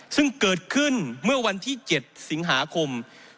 ซึ่งเกิดขึ้นเมื่อวันที่๗สิงหาคม